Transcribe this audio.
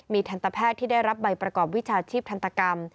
ทันตแพทย์ที่ได้รับใบประกอบวิชาชีพทันตกรรม